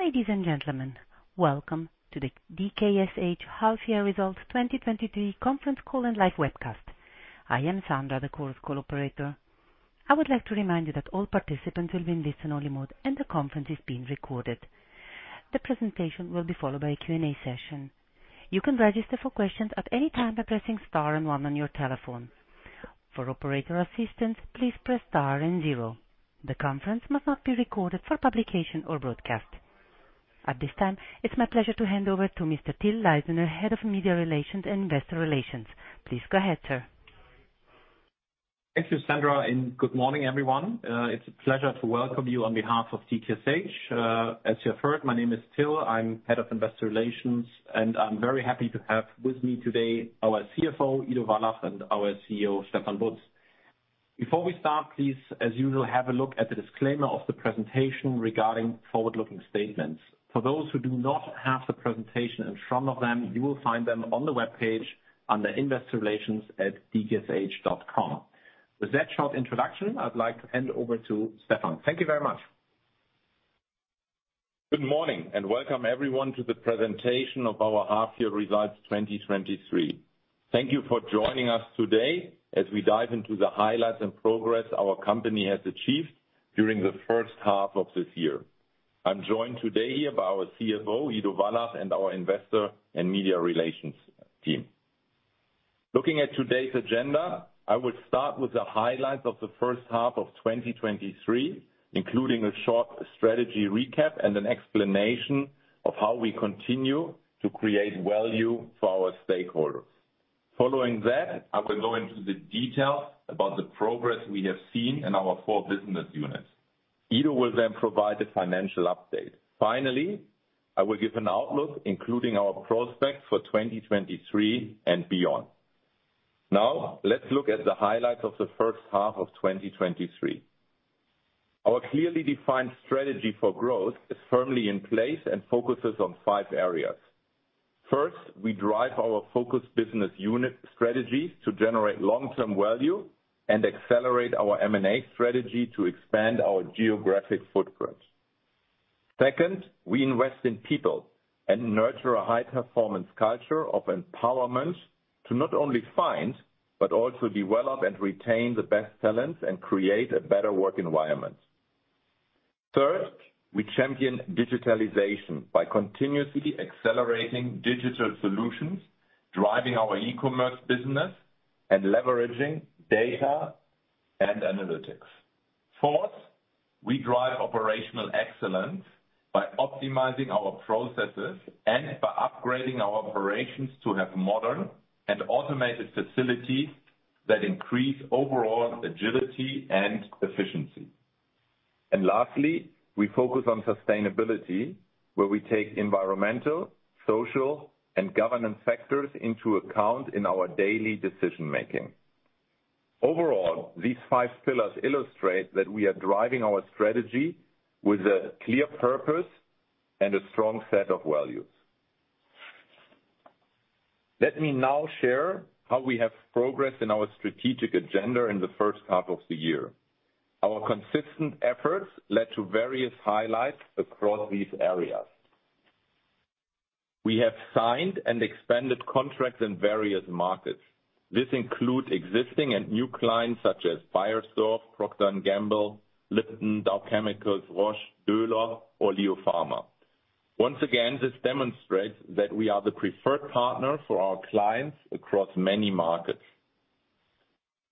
Ladies and gentlemen, welcome to the DKSH half-year results 2023 conference call and live webcast. I am Sandra, the call operator. I would like to remind you that all participants will be in listen-only mode, and the conference is being recorded. The presentation will be followed by a Q&A session. You can register for questions at any time by pressing Star and one on your telephone. For operator assistance, please press Star and zero. The conference must not be recorded for publication or broadcast. At this time, it's my pleasure to hand over to Mr. Till Leisner, Head of Media Relations and Investor Relations. Please go ahead, sir. Thank you, Sandra, and good morning, everyone. It's a pleasure to welcome you on behalf of DKSH. As you have heard, my name is Till. I'm Head of Investor Relations, and I'm very happy to have with me today our CFO, Ido Wallach, and our CEO, Stefan Butz. Before we start, please, as usual, have a look at the disclaimer of the presentation regarding forward-looking statements. For those who do not have the presentation in front of them, you will find them on the webpage under investor relations at dksh.com. With that short introduction, I'd like to hand over to Stefan. Thank you very much. Good morning. Welcome everyone to the presentation of our half-year results 2023. Thank you for joining us today as we dive into the highlights and progress our company has achieved during the first half of this year. I'm joined today here by our CFO, Ido Wallach, and our Investor and Media Relations team. Looking at today's agenda, I will start with the highlights of the first half of 2023, including a short strategy recap and an explanation of how we continue to create value for our stakeholders. Following that, I will go into the details about the progress we have seen in our four business units. Ido will then provide the financial update. Finally, I will give an outlook, including our prospects for 2023 and beyond. Now, let's look at the highlights of the first half of 2023. Our clearly defined strategy for growth is firmly in place and focuses on five areas. First, we drive our focused business unit strategies to generate long-term value and accelerate our M&A strategy to expand our geographic footprint. Second, we invest in people and nurture a high-performance culture of empowerment to not only find, but also develop and retain the best talents and create a better work environment. Third, we champion digitalization by continuously accelerating digital solutions, driving our e-commerce business, and leveraging data and analytics. Fourth, we drive operational excellence by optimizing our processes and by upgrading our operations to have modern and automated facilities that increase overall agility and efficiency. Lastly, we focus on sustainability, where we take environmental, social, and governance factors into account in our daily decision-making. Overall, these 5 pillars illustrate that we are driving our strategy with a clear purpose and a strong set of values. Let me now share how we have progressed in our strategic agenda in the first half of the year. Our consistent efforts led to various highlights across these areas. We have signed and expanded contracts in various markets. This includes existing and new clients such as Beiersdorf, Procter & Gamble, Lipton, Dow Chemical, Roche, Döhler, or LEO Pharma. Once again, this demonstrates that we are the preferred partner for our clients across many markets.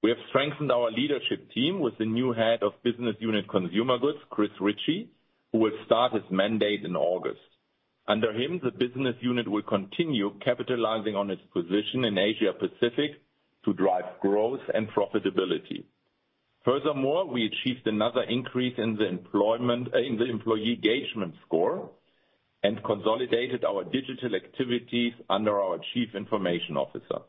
We have strengthened our leadership team with the new Head of Business Unit Consumer Goods, Chris Ritchie, who will start his mandate in August. Under him, the business unit will continue capitalizing on its position in Asia Pacific to drive growth and profitability. Furthermore, we achieved another increase in the employee engagement score and consolidated our digital activities under our Chief Information Officer.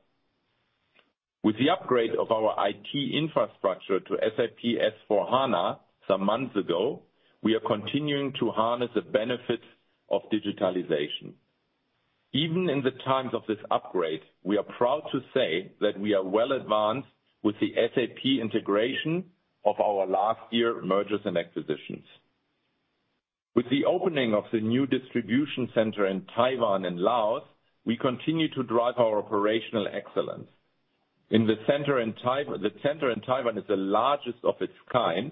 With the upgrade of our IT infrastructure to SAP S/4HANA some months ago, we are continuing to harness the benefits of digitalization. Even in the times of this upgrade, we are proud to say that we are well advanced with the SAP integration of our last year mergers and acquisitions. With the opening of the new distribution center in Taiwan and Laos, we continue to drive our operational excellence. The center in Taiwan is the largest of its kind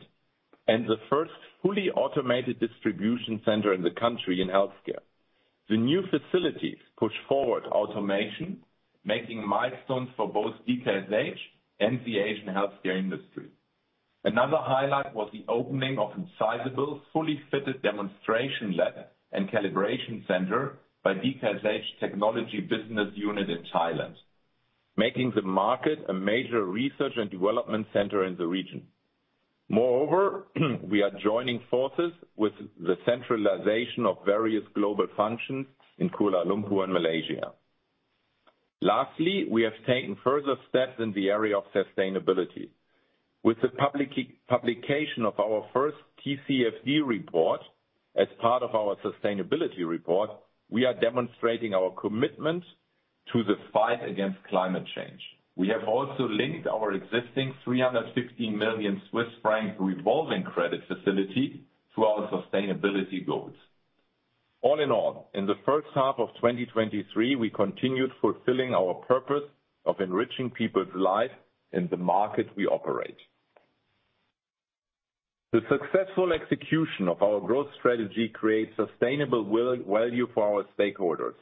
and the first fully automated distribution center in the country in Healthcare. The new facilities push forward automation, making milestones for both DKSH and the Asian healthcare industry. Another highlight was the opening of a sizable, fully fitted demonstration lab and calibration center by DKSH Technology Business Unit in Thailand, making the market a major research and development center in the region. We are joining forces with the centralization of various global functions in Kuala Lumpur in Malaysia. We have taken further steps in the area of sustainability. With the publication of our first TCFD report as part of our sustainability report, we are demonstrating our commitment to the fight against climate change. We have also linked our existing 315 million Swiss franc revolving credit facility to our sustainability goals. In the first half of 2023, we continued fulfilling our purpose of enriching people's lives in the market we operate. The successful execution of our growth strategy creates sustainable value for our stakeholders.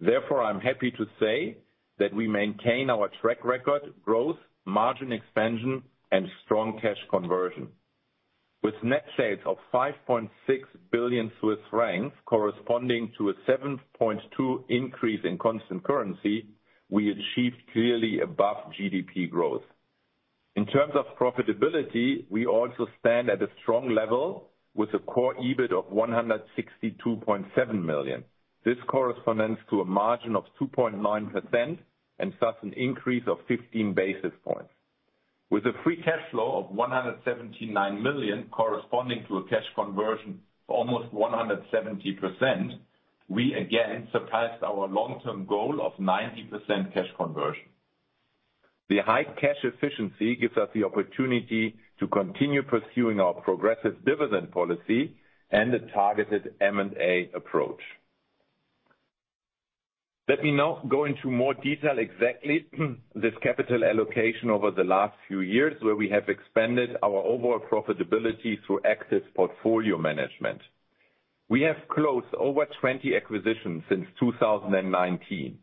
I'm happy to say that we maintain our track record, growth, margin expansion, and strong cash conversion. With net sales of 5.6 billion Swiss francs, corresponding to a 7.2% increase in constant currency, we achieved clearly above GDP growth. In terms of profitability, we also stand at a strong level with a core EBIT of 162.7 million. This corresponds to a margin of 2.9%, and thus an increase of 15 basis points. With a free cash flow of 179 million, corresponding to a cash conversion of almost 170%, we again surpassed our long-term goal of 90% cash conversion. The high cash efficiency gives us the opportunity to continue pursuing our progressive dividend policy and a targeted M&A approach. Let me now go into more detail exactly this capital allocation over the last few years, where we have expanded our overall profitability through active portfolio management. We have closed over 20 acquisitions since 2019.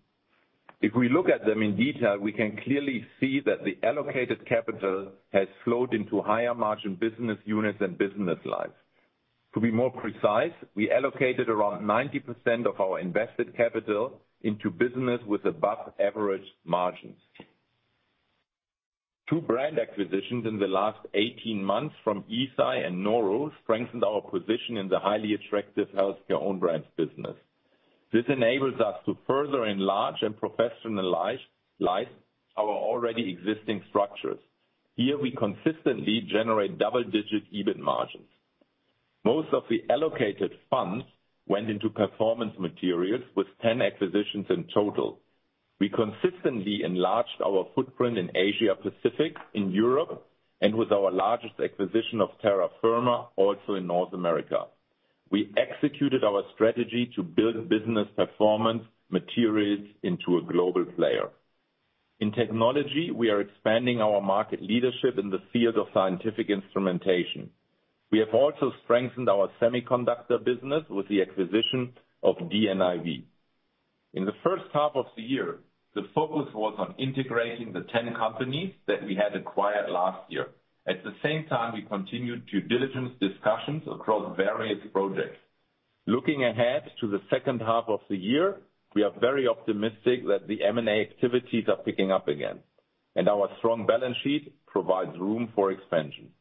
We look at them in detail, we can clearly see that the allocated capital has flowed into higher margin business units and business lines. To be more precise, we allocated around 90% of our invested capital into business with above-average margins. Two brand acquisitions in the last 18 months from Eisai and Noru strengthened our position in the highly attractive Healthcare own brands business. This enables us to further enlarge and professionalize our already existing structures. Here, we consistently generate double-digit EBIT margins. Most of the allocated funds went into Performance Materials with 10 acquisitions in total. We consistently enlarged our footprint in Asia Pacific, in Europe, and with our largest acquisition of Terra Firma, also in North America. We executed our strategy to build business Performance Materials into a global player. In Technology, we are expanding our market leadership in the field of scientific instrumentation. We have also strengthened our Semiconductor business with the acquisition of DNIV. In the first half of the year, the focus was on integrating the 10 companies that we had acquired last year. At the same time, we continued due diligence discussions across various projects. Looking ahead to the second half of the year, we are very optimistic that the M&A activities are picking up again, and our strong balance sheet provides room for expansion.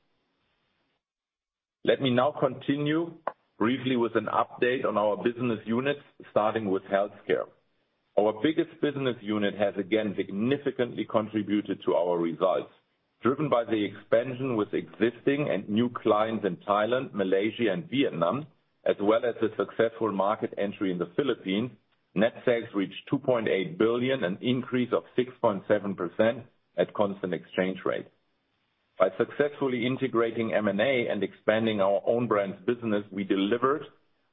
Let me now continue briefly with an update on our business units, starting with Healthcare. Our biggest business unit has again significantly contributed to our results, driven by the expansion with existing and new clients in Thailand, Malaysia, and Vietnam, as well as a successful market entry in the Philippines. Net sales reached 2.8 billion, an increase of 6.7% at constant exchange rate. By successfully integrating M&A and expanding our own brands business, we delivered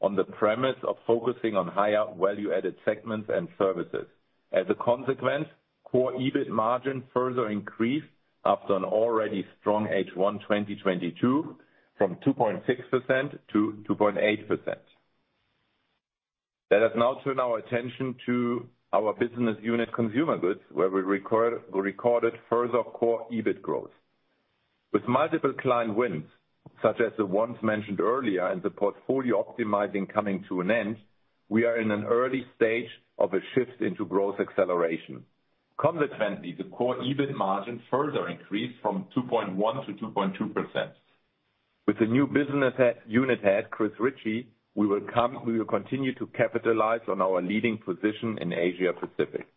on the premise of focusing on higher value-added segments and services. As a consequence, core EBIT margin further increased after an already strong H1 2022 from 2.6%-2.8%. Let us now turn our attention to our business unit Consumer Goods, where we recorded further core EBIT growth. With multiple client wins, such as the ones mentioned earlier, and the portfolio optimizing coming to an end, we are in an early stage of a shift into growth acceleration. Consequentially, the Core EBIT margin further increased from 2.1%-2.2%. With the new business head, unit head, Chris Ritchie, we will continue to capitalize on our leading position in Asia Pacific.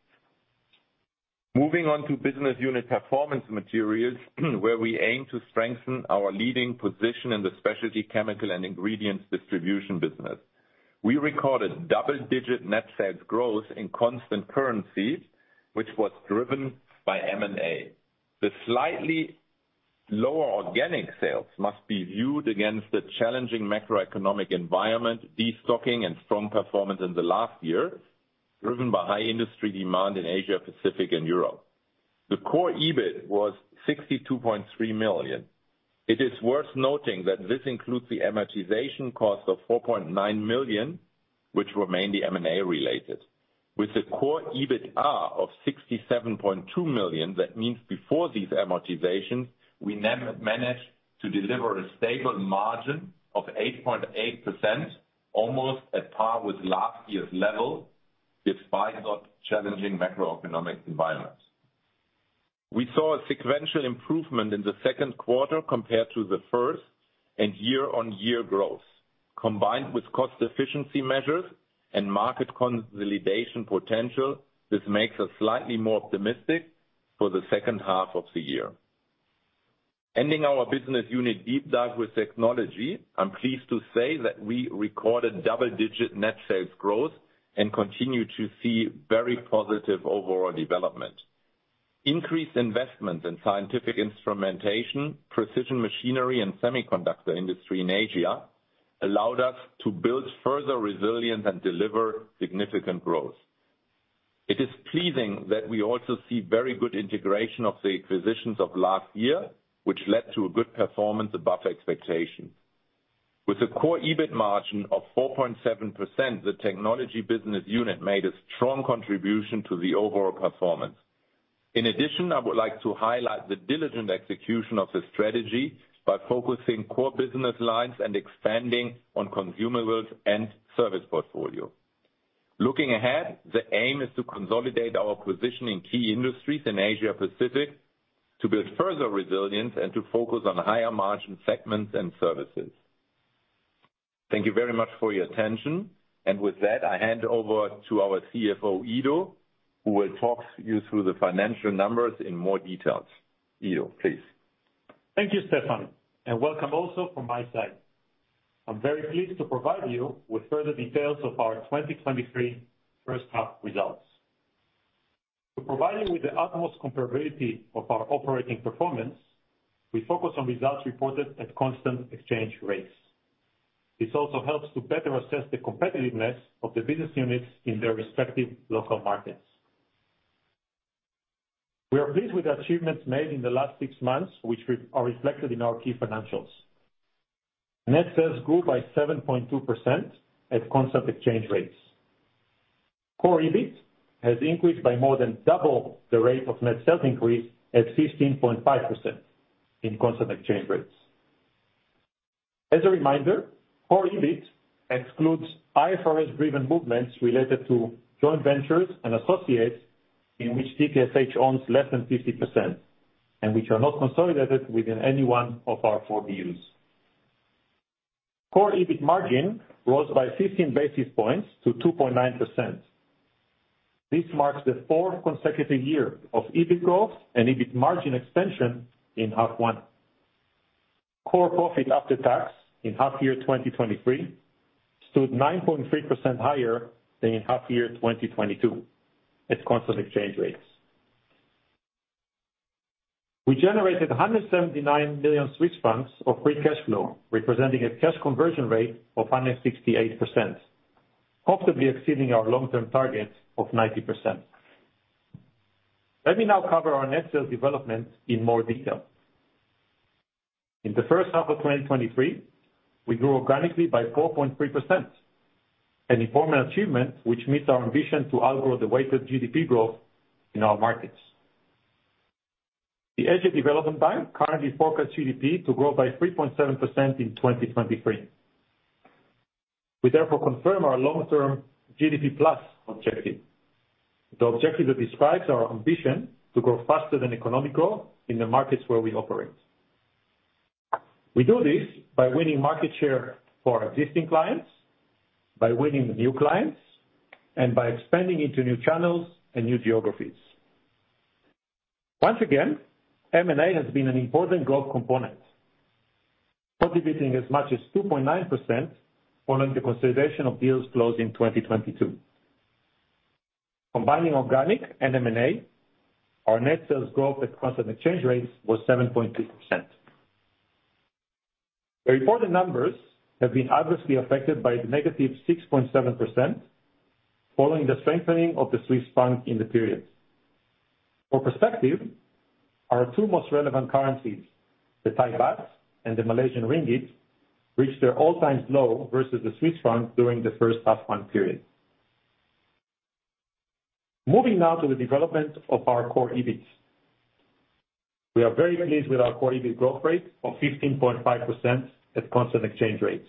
Moving on to business unit Performance Materials, where we aim to strengthen our leading position in the specialty Chemical and Ingredients Distribution business. We recorded double-digit net sales growth in constant currency, which was driven by M&A. The slightly lower organic sales must be viewed against the challenging macroeconomic environment, destocking and strong performance in the last year, driven by high industry demand in Asia Pacific and Europe. The Core EBIT was 62.3 million. It is worth noting that this includes the amortization cost of 4.9 million, which were mainly M&A related. With the Core EBITA of 67.2 million, that means before these amortizations, we managed to deliver a stable margin of 8.8%, almost at par with last year's level, despite our challenging macroeconomic environment. We saw a sequential improvement in the second quarter compared to the first and year-on-year growth. Combined with cost efficiency measures and market consolidation potential, this makes us slightly more optimistic for the second half of the year. Ending our business unit deep dive with Technology, I'm pleased to say that we recorded double-digit net sales growth and continue to see very positive overall development. Increased investment in scientific instrumentation, precision machinery, and semiconductor industry in Asia allowed us to build further resilience and deliver significant growth. It is pleasing that we also see very good integration of the acquisitions of last year, which led to a good performance above expectations. With a Core EBIT margin of 4.7%, the Technology business unit made a strong contribution to the overall performance. I would like to highlight the diligent execution of the strategy by focusing core business lines and expanding on consumables and service portfolio. Looking ahead, the aim is to consolidate our position in key industries in Asia Pacific, to build further resilience and to focus on higher margin segments and services. Thank you very much for your attention. With that, I hand over to our CFO, Ido, who will talk you through the financial numbers in more details. Ido, please. Thank you, Stefan. Welcome also from my side. I'm very pleased to provide you with further details of our 2023 first half results. To provide you with the utmost comparability of our operating performance, we focus on results reported at constant exchange rates. This also helps to better assess the competitiveness of the business units in their respective local markets. We are pleased with the achievements made in the last six months, which are reflected in our key financials. Net sales grew by 7.2% at constant exchange rates. Core EBIT has increased by more than double the rate of net sales increase at 15.5% in constant exchange rates. As a reminder, Core EBIT excludes IFRS-driven movements related to joint ventures and associates in which DKSH owns less than 50% and which are not consolidated within any one of our four BUs. Core EBIT margin rose by 15 basis points to 2.9%. This marks the fourth consecutive year of EBIT growth and EBIT margin expansion in half one. Core profit after tax in half year 2023 stood 9.3% higher than in half year 2022 at constant exchange rates. We generated 179 million Swiss francs of free cash flow, representing a cash conversion rate of 168%, comfortably exceeding our long-term target of 90%. Let me now cover our net sales development in more detail. In the first half of 2023, we grew organically by 4.3%, an important achievement which meets our ambition to outgrow the weighted GDP growth in our markets. The Asian Development Bank currently forecasts GDP to grow by 3.7% in 2023. We therefore confirm our long-term GDP plus objective. The objective that describes our ambition to grow faster than economical in the markets where we operate. We do this by winning market share for existing clients, by winning new clients, and by expanding into new channels and new geographies. Once again, M&A has been an important growth component, contributing as much as 2.9% following the consolidation of deals closed in 2022. Combining organic and M&A, our net sales growth at constant exchange rates was 7.2%. The reported numbers have been adversely affected by the negative 6.7%, following the strengthening of the Swiss franc in the period. For perspective, our two most relevant currencies, the Thai baht and the Malaysian ringgit, reached their all-time low versus the Swiss franc during the first half one period. Moving now to the development of our Core EBIT. We are very pleased with our Core EBIT growth rate of 15.5% at constant exchange rates.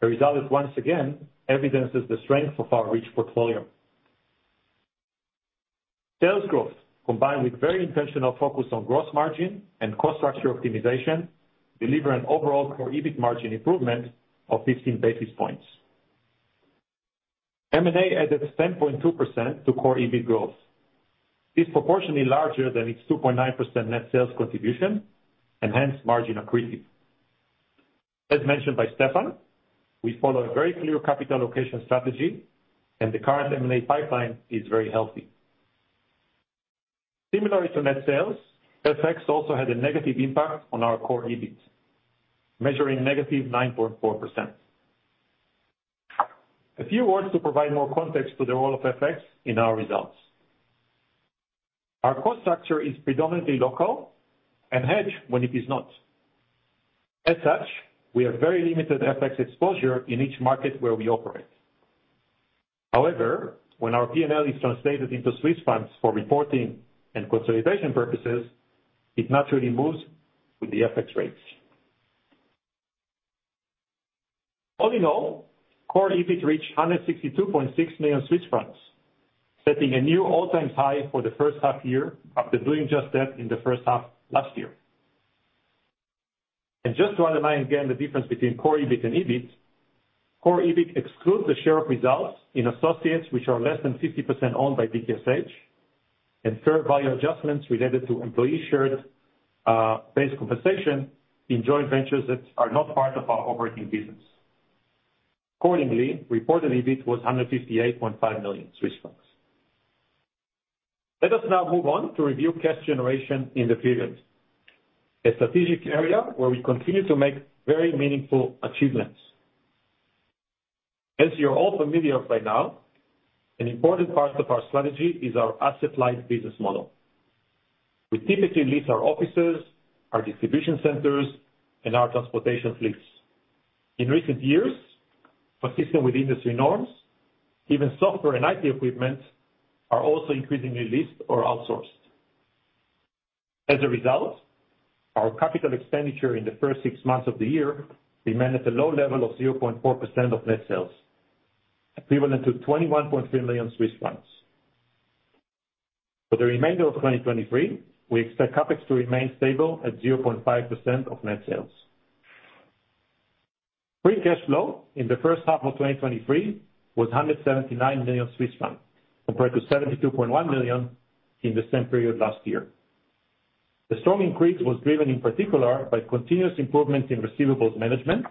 The result is once again, evidences the strength of our rich portfolio. Sales growth, combined with very intentional focus on gross margin and cost structure optimization, deliver an overall Core EBIT margin improvement of 15 basis points. M&A added 10.2% to Core EBIT growth. This is proportionally larger than its 2.9% net sales contribution and hence margin accretive. As mentioned by Stefan, we follow a very clear capital allocation strategy, and the current M&A pipeline is very healthy. Similarly to net sales, FX also had a negative impact on our Core EBIT, measuring negative 9.4%. A few words to provide more context to the role of FX in our results. Our cost structure is predominantly local and hedged when it is not. As such, we have very limited FX exposure in each market where we operate. However, when our P&L is translated into Swiss francs for reporting and consolidation purposes, it naturally moves with the FX rates. Core EBIT reached 162.6 million Swiss francs, setting a new all-time high for the first half after doing just that in the first half last year. Just to underline again the difference between Core EBIT and EBIT. Core EBIT excludes the share of results in associates which are less than 50% owned by DKSH, and fair value adjustments related to employee shared base compensation in joint ventures that are not part of our operating business. Accordingly, reported EBIT was 158.5 million Swiss francs. Let us now move on to review cash generation in the period, a strategic area where we continue to make very meaningful achievements. As you are all familiar by now, an important part of our strategy is our asset-light business model. We typically lease our offices, our distribution centers, and our transportation fleets. In recent years, consistent with industry norms, even software and IT equipment are also increasingly leased or outsourced. As a result, our capital expenditure in the first six months of the year remained at a low level of 0.4% of net sales, equivalent to 21.3 million Swiss francs. For the remainder of 2023, we expect CapEx to remain stable at 0.5% of net sales. Free cash flow in the first half of 2023 was 179 million Swiss francs, compared to 72.1 million in the same period last year. The strong increase was driven in particular by continuous improvement in receivables management,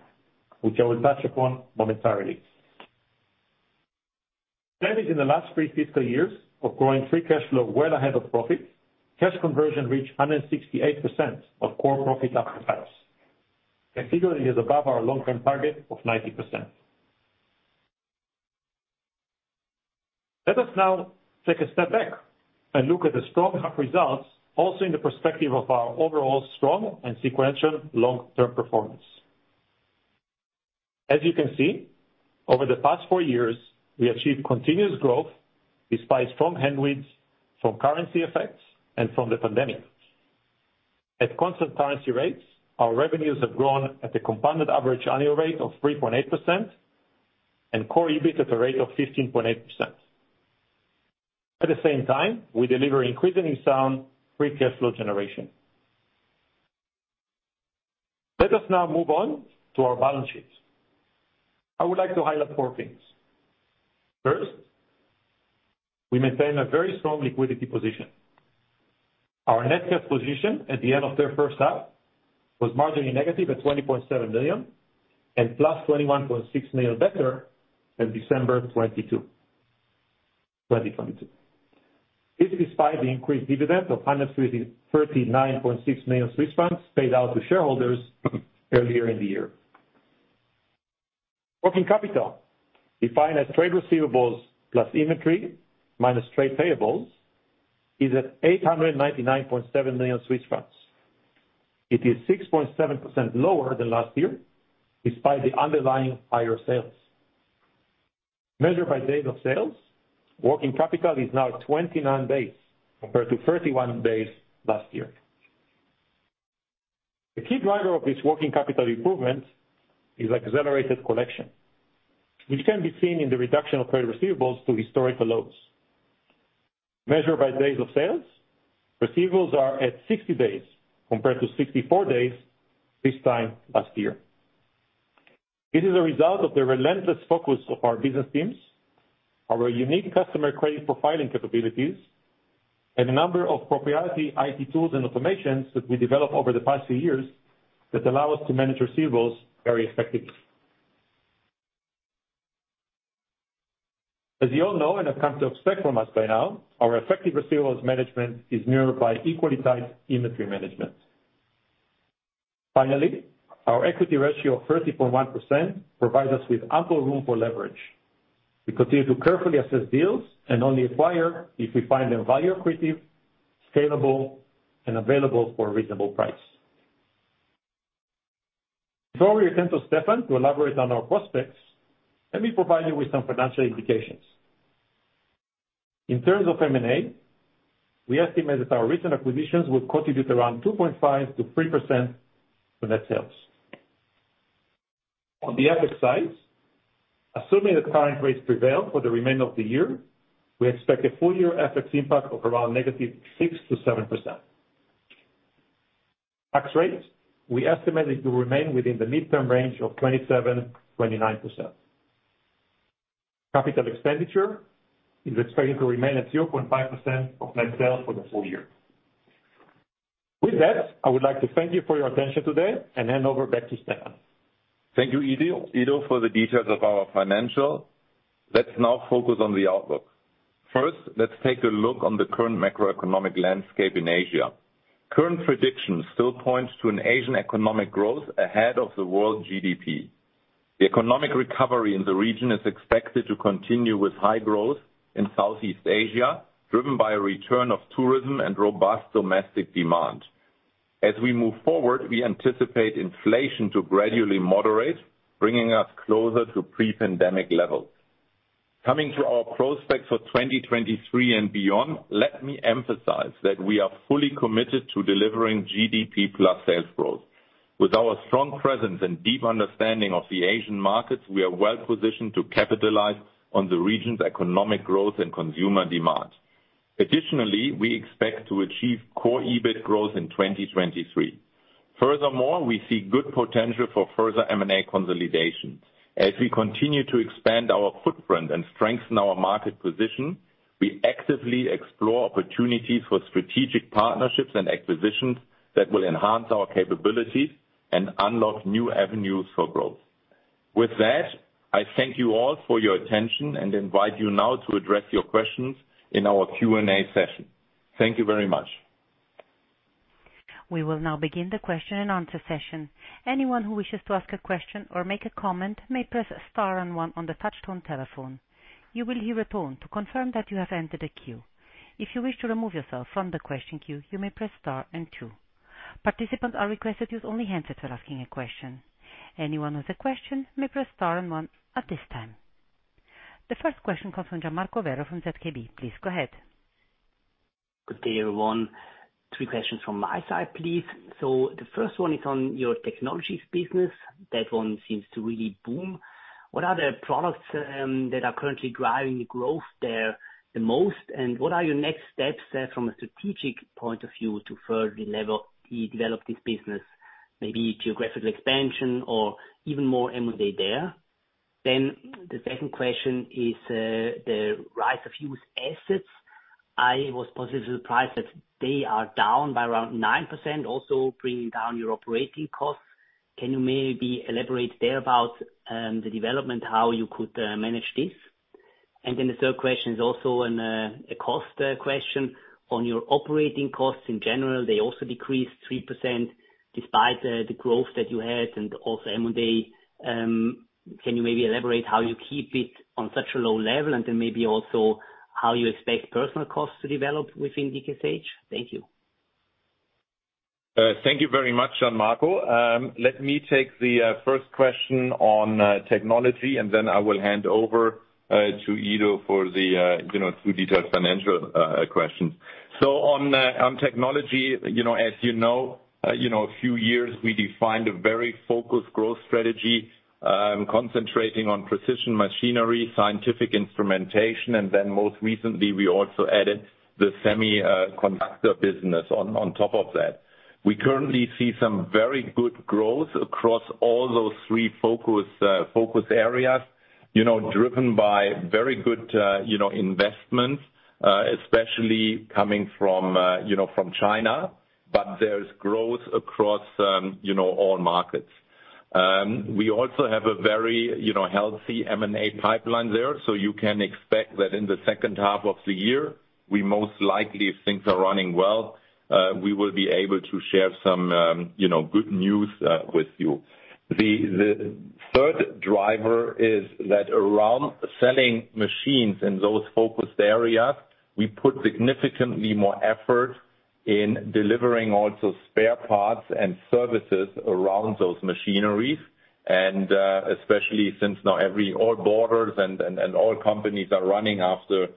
which I will touch upon momentarily. Steady in the last 3 fiscal years of growing free cash flow well ahead of profit, cash conversion reached 168% of Core profit after tax, significantly is above our long-term target of 90%. Let us now take a step back and look at the strong half results, also in the perspective of our overall strong and sequential long-term performance. As you can see, over the past 4 years, we achieved continuous growth despite strong headwinds from currency effects and from the pandemic. At constant currency rates, our revenues have grown at a compounded average annual rate of 3.8% and Core EBIT at a rate of 15.8%. At the same time, we deliver increasingly sound free cash flow generation. Let us now move on to our balance sheet. I would like to highlight four things. First, we maintain a very strong liquidity position. Our net cash position at the end of the first half was marginally negative at 20.7 million and +21.6 million better than December 22, 2022. This despite the increased dividend of 139.6 million Swiss francs paid out to shareholders earlier in the year. Working capital, defined as trade receivables plus inventory minus trade payables, is at 899.7 million Swiss francs. It is 6.7% lower than last year, despite the underlying higher sales. Measured by days of sales, working capital is now at 29 days, compared to 31 days last year. The key driver of this working capital improvement is accelerated collection, which can be seen in the reduction of trade receivables to historical lows. Measured by days of sales, receivables are at 60 days, compared to 64 days this time last year. This is a result of the relentless focus of our business teams, our unique customer credit profiling capabilities, and a number of proprietary IT tools and automations that we developed over the past few years that allow us to manage receivables very effectively. As you all know and have come to expect from us by now, our effective receivables management is mirrored by equally tight inventory management. Finally, our equity ratio of 30.1% provides us with ample room for leverage. We continue to carefully assess deals and only acquire if we find them value accretive, scalable, and available for a reasonable price. Before we attend to Stefan to elaborate on our prospects, let me provide you with some financial indications. In terms of M&A, we estimate that our recent acquisitions will contribute around 2.5%-3% to net sales. On the FX side, assuming that current rates prevail for the remainder of the year, we expect a full-year FX impact of around -6% to -7%. Tax rates, we estimate it to remain within the midterm range of 27%-29%. Capital expenditure is expected to remain at 0.5% of net sales for the full year. With that, I would like to thank you for your attention today and hand over back to Stefan. Thank you, Ido, for the details of our financial. Let's now focus on the outlook. First, let's take a look on the current macroeconomic landscape in Asia. Current predictions still point to an Asian economic growth ahead of the world GDP. The economic recovery in the region is expected to continue with high growth in Southeast Asia, driven by a return of tourism and robust domestic demand. As we move forward, we anticipate inflation to gradually moderate, bringing us closer to pre-pandemic levels. Coming to our prospects for 2023 and beyond, let me emphasize that we are fully committed to delivering GDP plus sales growth. With our strong presence and deep understanding of the Asian markets, we are well positioned to capitalize on the region's economic growth and consumer demand. Additionally, we expect to achieve Core EBIT growth in 2023. Furthermore, we see good potential for further M&A consolidation. As we continue to expand our footprint and strengthen our market position, we actively explore opportunities for strategic partnerships and acquisitions that will enhance our capabilities and unlock new avenues for growth. With that, I thank you all for your attention and invite you now to address your questions in our Q&A session. Thank you very much. We will now begin the question-and-answer session. Anyone who wishes to ask a question or make a comment, may press Star and one on the touchtone telephone. You will hear a tone to confirm that you have entered the queue. If you wish to remove yourself from the question queue, you may press Star and two. Participants are requested to use only hands for asking a question. Anyone with a question may press Star and one at this time. The first question comes from Gian Marco Werro from ZKB. Please go ahead. Good day, everyone. Three questions from my side, please. The first one is on your Technologies business. That one seems to really boom. What are the products that are currently driving the growth there the most? What are your next steps from a strategic point of view to further develop this business? Maybe geographical expansion or even more M&A there. The second question is the right of use assets. I was positively surprised that they are down by around 9%, also bringing down your operating costs. Can you maybe elaborate there about the development, how you could manage this? The third question is also on a cost question. On your operating costs in general, they also decreased 3% despite the growth that you had and also M&A. Can you maybe elaborate how you keep it on such a low level, and then maybe also how you expect personal costs to develop within DKSH? Thank you. Thank you very much, Gian Marco. Let me take the first question on Technology, and then I will hand over to Ido for the, you know, to detail financial question. On Technology, you know, as you know, a few years, we defined a very focused growth strategy, concentrating on precision machinery, scientific instrumentation, and then most recently, we also added the Semiconductor business on top of that. We currently see some very good growth across all those three focus areas, you know, driven by very good, investments, especially coming from, China, but there's growth across, you know, all markets. We also have a very, you know, healthy M&A pipeline there. You can expect that in the second half of the year, we most likely, if things are running well, we will be able to share some, you know, good news with you. The third driver is that around selling machines in those focused areas, we put significantly more effort in delivering also spare parts and services around those machineries. Especially since all borders and all companies are running after,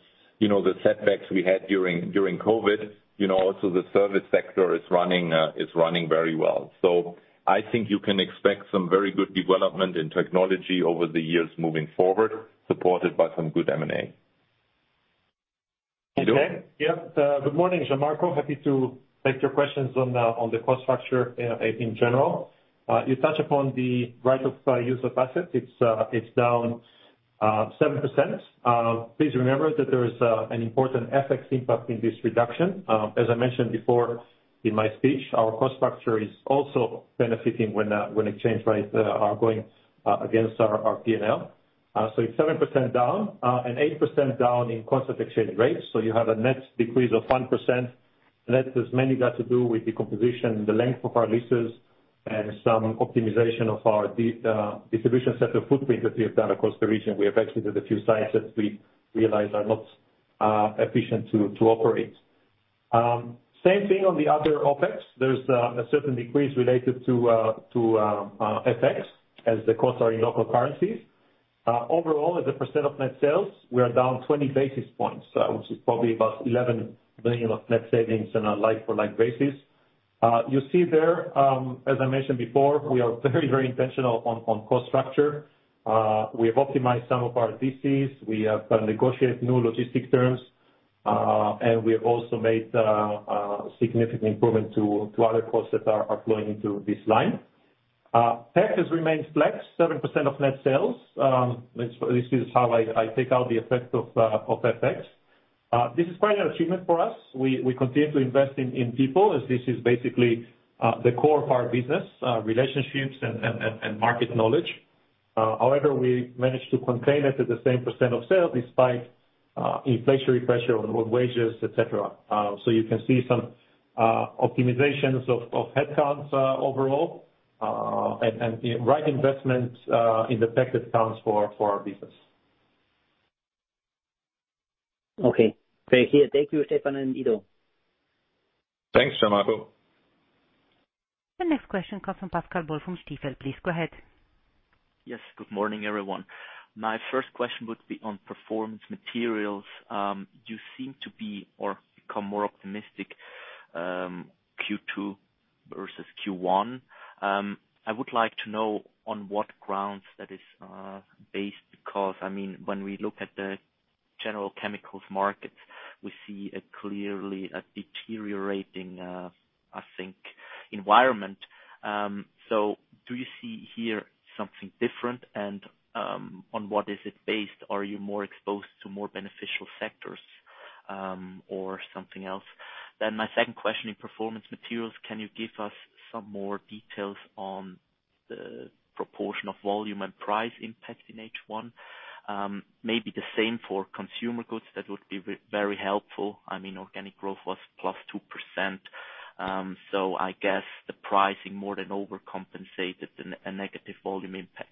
you know, the setbacks we had during COVID, you know, also the service sector is running very well. I think you can expect some very good development in Technology over the years moving forward, supported by some good M&A. Good morning, Gian Marco. Happy to take your questions on the cost structure in general. You touch upon the right of use of assets. It's down 7%. Please remember that there is an important FX impact in this reduction. As I mentioned before in my speech, our cost structure is also benefiting when exchange rates are going against our P&L. It's 7% down and 8% down in constant exchange rates. You have a net decrease of 1%, and that is mainly got to do with the composition, the length of our leases and some optimization of our distribution center footprint that we have done across the region. We have actually done a few sites that we realize are not efficient to operate. Same thing on the other OpEx. There's a certain decrease related to FX, as the costs are in local currencies. Overall, as a percent of net sales, we are down 20 basis points, which is probably about 11 million of net savings on a like-for-like basis. You see there, as I mentioned before, we are very, very intentional on cost structure. We have optimized some of our DCs. We have negotiated new logistic terms, and we have also made significant improvement to other costs that are flowing into this line. Tech has remained flat, 7% of net sales. This is how I take out the effect of FX. This is quite an achievement for us. We continue to invest in people, as this is basically the core of our business, relationships and market knowledge. However, we managed to contain it at the same percent of sales despite inflationary pressure on wages, et cetera. You can see some optimizations of headcounts overall and the right investment in the tech that counts for our business. Okay. Thank you. Thank you, Stefan and Ido. Thanks, Gian Marco. The next question comes from Pascal Boll from Stifel. Please go ahead. Yes, good morning, everyone. My first question would be on Performance Materials. You seem to be or become more optimistic, Q2 versus Q1. I would like to know on what grounds that is based, because, I mean, when we look at the general chemicals market, we see clearly a deteriorating, I think, environment. Do you see here something different, and on what is it based? Are you more exposed to more beneficial sectors, or something else? My second question in Performance Materials, can you give us some more details on the proportion of volume and price impact in H1? Maybe the same for Consumer Goods, that would be very helpful. I mean, organic growth was +2%, I guess the pricing more than overcompensated a negative volume impact.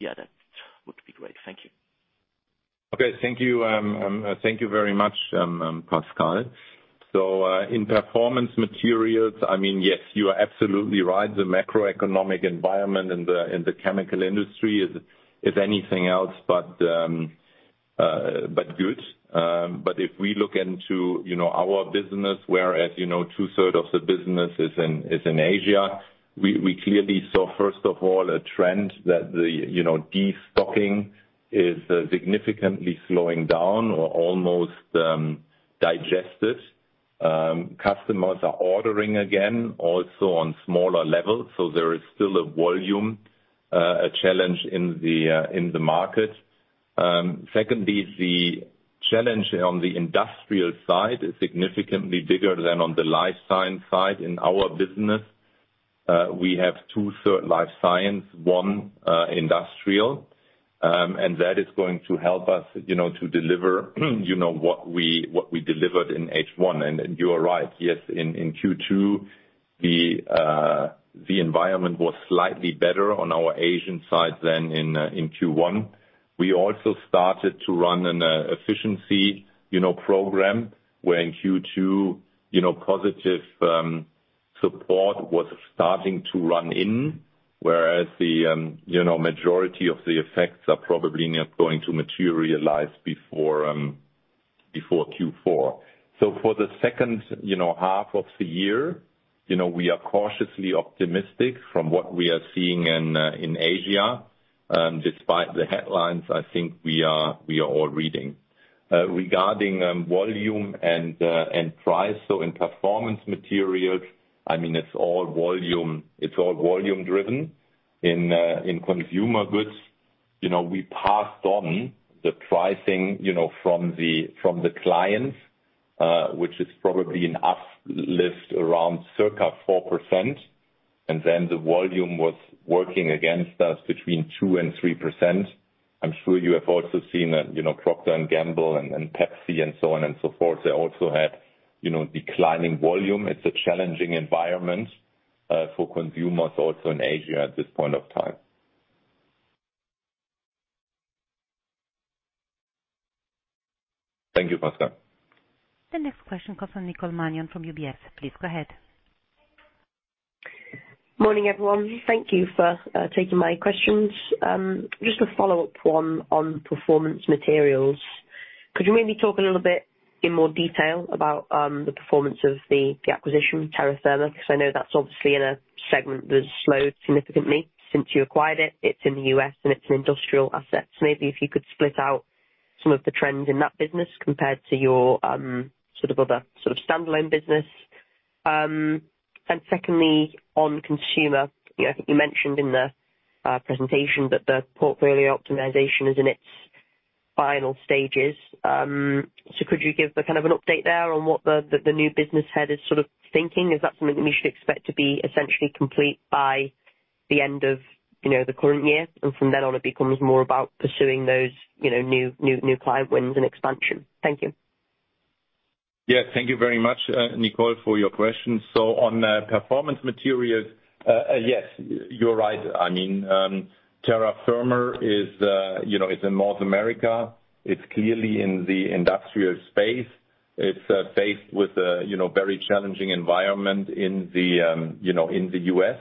Yeah, that would be great. Thank you. Okay. Thank you. Thank you very much, Pascal. In Performance Materials, I mean, yes, you are absolutely right. The macroeconomic environment in the chemical industry is anything else but good. If we look into, you know, our business, where, as you know, 2/3 of the business is in Asia, we clearly saw, first of all, a trend that the, you know, destocking is significantly slowing down or almost digested. Customers are ordering again, also on smaller levels, so there is still a volume, a challenge in the market. Secondly, the challenge on the industrial side is significantly bigger than on the life science side. In our business, we have 2/3 life science, one industrial, and that is going to help us, you know, to deliver, you know, what we, what we delivered in H1. You are right, yes, in Q2, the environment was slightly better on our Asian side than in Q1. We also started to run an efficiency, you know, program, where in Q2, you know, positive support was starting to run in, whereas the, you know, majority of the effects are probably not going to materialize before Q4. For the second, you know, half of the year, you know, we are cautiously optimistic from what we are seeing in Asia, despite the headlines, I think we are, we are all reading. Regarding volume and price, in Performance Materials, I mean, it's all volume, it's all volume driven. In Consumer Goods, you know, we passed on the pricing, you know, from the clients, which is probably an uplift around circa 4%, the volume was working against us between 2% and 3%. I'm sure you have also seen that, you know, Procter & Gamble and PepsiCo and so on and so forth, they also had, you know, declining volume. It's a challenging environment for consumers also in Asia at this point of time. Thank you, Pascal. The next question comes from Nicole Manion, from UBS. Please go ahead. Morning, everyone. Thank you for taking my questions. Just a follow-up one on Performance Materials. Could you maybe talk a little bit in more detail about the performance of the acquisition of Terra Firma? Because I know that's obviously in a segment that's slowed significantly since you acquired it. It's in the U.S., and it's an industrial asset. Maybe if you could split out some of the trends in that business compared to your sort of other, sort of standalone business. Secondly, on consumer, you know, I think you mentioned in the presentation that the portfolio optimization is in its final stages. Could you give a kind of an update there on what the new business head is sort of thinking? Is that something we should expect to be essentially complete by the end of, you know, the current year, and from then on, it becomes more about pursuing those, you know, new client wins and expansion? Thank you. Yeah, thank you very much, Nicole, for your questions. On Performance Materials, yes, you're right. I mean, Terra Firma is, you know, it's in North America. It's clearly in the industrial space. It's faced with a, you know, very challenging environment in the, you know, in the US.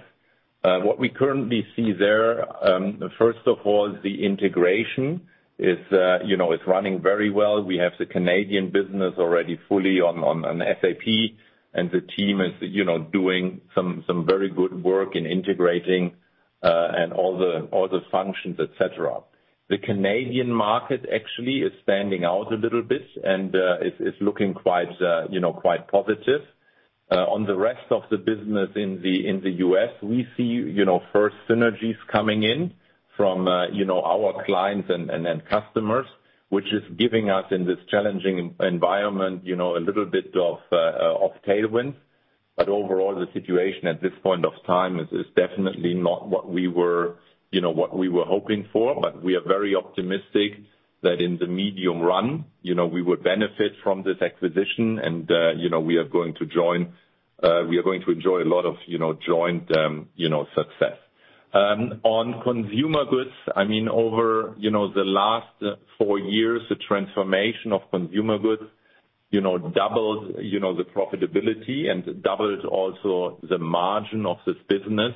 What we currently see there, first of all, is the integration is, you know, is running very well. We have the Canadian business already fully on SAP, and the team is, you know, doing some very good work in integrating, and all the functions, et cetera. The Canadian market actually is standing out a little bit and is looking quite, you know, quite positive. On the rest of the business in the U.S., we see, you know, first synergies coming in from, you know, our clients and customers, which is giving us, in this challenging environment, you know, a little bit of tailwind. Overall, the situation at this point of time is definitely not what we were hoping for, but we are very optimistic that in the medium run, you know, we would benefit from this acquisition and, you know, we are going to enjoy a lot of, you know, joint, you know, success. On Consumer Goods, I mean, over, you know, the last four years, the transformation of Consumer Goods, you know, doubled the profitability and doubled also the margin of this business.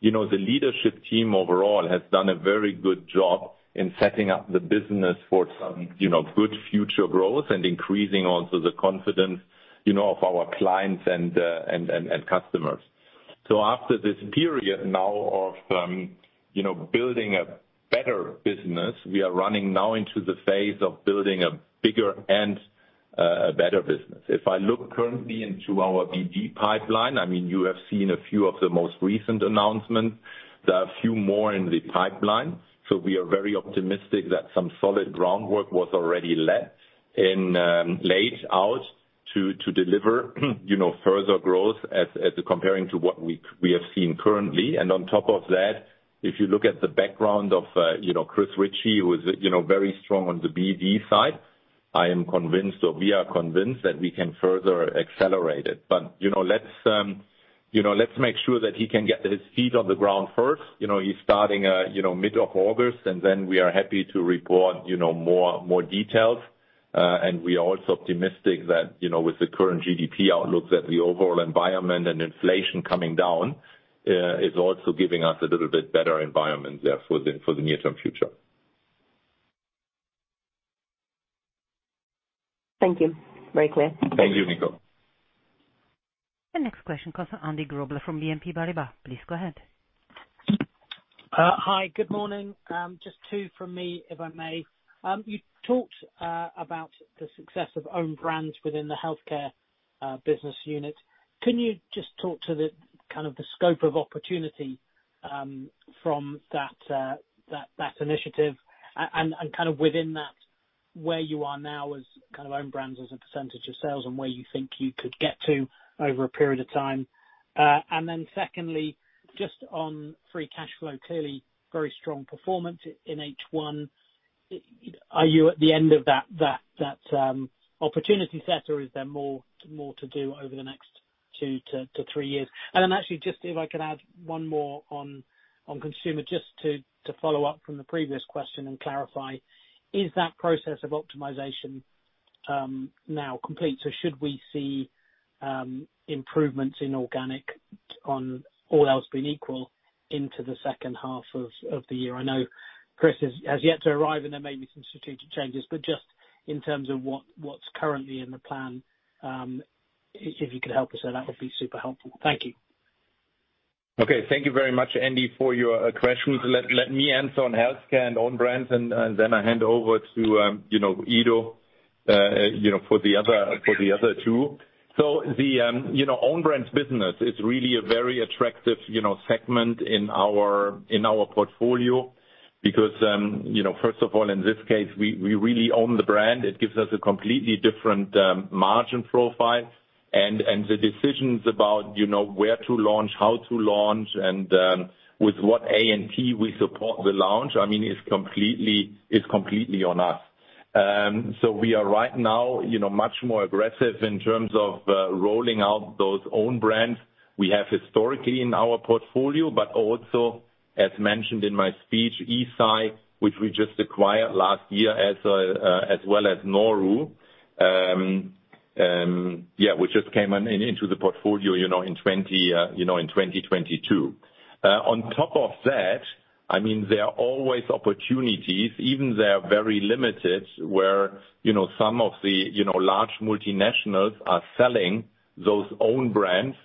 You know, the leadership team overall has done a very good job in setting up the business for some, you know, good future growth and increasing also the confidence, you know, of our clients and customers. After this period now of, you know, building a better business, we are running now into the phase of building a bigger and a better business. If I look currently into our BD pipeline, I mean, you have seen a few of the most recent announcements. There are a few more in the pipeline, so we are very optimistic that some solid groundwork was already left in, laid out to deliver, you know, further growth as comparing to what we have seen currently. On top of that, if you look at the background of, you know, Chris Ritchie, who is, you know, very strong on the BD side, I am convinced, or we are convinced, that we can further accelerate it. You know, let's, you know, let's make sure that he can get his feet on the ground first. You know, he's starting, you know, mid-August, then we are happy to report, you know, more details. We are also optimistic that, you know, with the current GDP outlook, that the overall environment and inflation coming down, is also giving us a little bit better environment there for the near-term future. Thank you. Very clear. Thank you, Nicole. The next question comes from Andy Grobler from BNP Paribas. Please go ahead. Hi, good morning. Just two from me, if I may. You talked about the success of own brands within the Healthcare business unit. Can you just talk to the kind of the scope of opportunity from that initiative, and kind of within that, where you are now as kind of own brands as a percentage of sales, and where you think you could get to over a period of time? Then secondly, just on free cash flow, clearly very strong performance in H1. Are you at the end of that opportunity set, or is there more to do over the next 2 to 3 years? Actually, just if I could add one more on consumer, just to follow up from the previous question and clarify: Is that process of optimization now complete? Should we see improvements in organic on all else being equal, into the second half of the year? I know Chris has yet to arrive, and there may be some strategic changes, but just in terms of what's currently in the plan, if you could help us there, that would be super helpful. Thank you. Okay. Thank you very much, Andy, for your questions. Let me answer on Healthcare and own brands. Then I hand over to, you know, Ido, you know, for the other, for the other two. The, you know, own brands business is really a very attractive, you know, segment in our portfolio because, you know, first of all, in this case, we really own the brand. It gives us a completely different margin profile. The decisions about, you know, where to launch, how to launch, and with what A&P we support the launch, I mean, is completely on us. We are right now, you know, much more aggressive in terms of rolling out those own brands we have historically in our portfolio, but also, as mentioned in my speech, Eisai, which we just acquired last year, as well as Noru. Yeah, which just came into the portfolio, you know, in 2022. On top of that, I mean, there are always opportunities, even they are very limited, where, you know, some of the, you know, large multinationals are selling those own brands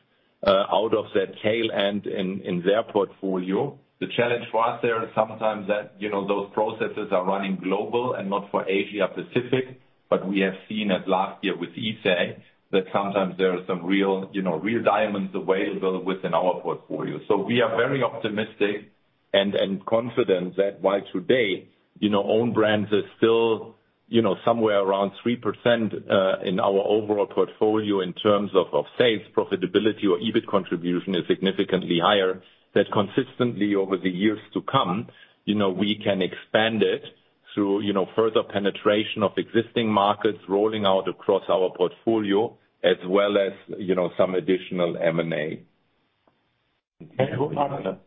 out of their tail end in their portfolio. The challenge for us there is sometimes that, you know, those processes are running global and not for Asia Pacific, but we have seen it last year with Eisai, that sometimes there are some real, you know, real diamonds available within our portfolio. We are very optimistic and confident that while today, you know, own brands are still, you know, somewhere around 3%, in our overall portfolio in terms of sales, profitability or EBIT contribution is significantly higher, that consistently over the years to come, you know, we can expand it through, you know, further penetration of existing markets rolling out across our portfolio, as well as, you know, some additional M&A.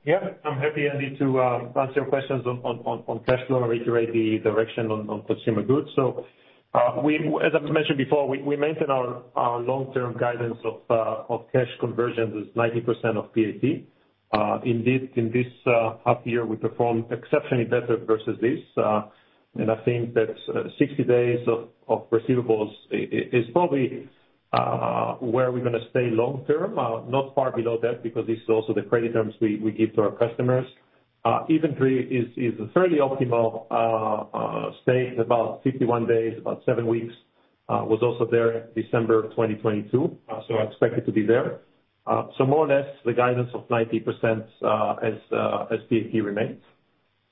Yeah, I'm happy, Andy, to answer your questions on, on cash flow and reiterate the direction on Consumer Goods. As I mentioned before, we maintain our long-term guidance of cash conversions is 90% of PAT. In this, in this half year, we performed exceptionally better versus this. And I think that 60 days of receivables is probably where we're gonna stay long-term. Not far below that, because this is also the credit terms we give to our customers. Inventory is a fairly optimal state. About 51 days, about 7 weeks, was also there December 2022, so I expect it to be there. So more or less the guidance of 90%, as as PAT remains.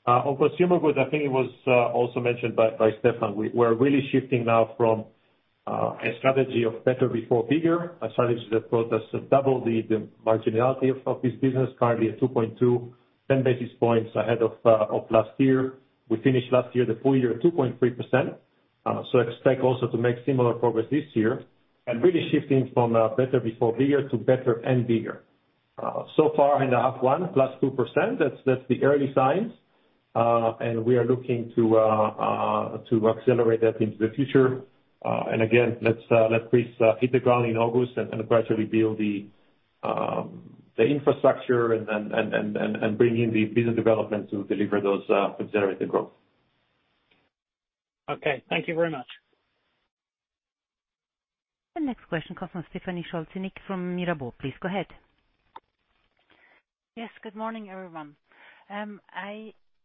On Consumer Goods, I think it was also mentioned by Stefan. We're really shifting now from a strategy of better before bigger, a strategy that brought us to double the marginality of this business, currently at 2.2, 10 basis points ahead of last year. We finished last year, the full-year, at 2.3%. Expect also to make similar progress this year and really shifting from better before bigger to better and bigger. Far in the half one, +2%, that's the early signs. We are looking to accelerate that into the future. Again, let's let Chris hit the ground in August and gradually build the infrastructure and bring in the business development to deliver those accelerated growth. Okay, thank you very much. The next question comes from Stephanie Schulz-Nic from Mirabaud. Please go ahead. Yes, good morning, everyone.